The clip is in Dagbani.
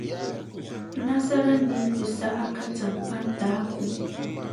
Nasara neebu saha ka timpani daa kum.